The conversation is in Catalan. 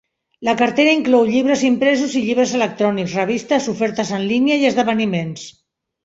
La cartera inclou llibres impresos i llibres electrònics, revistes, ofertes en línia i esdeveniments.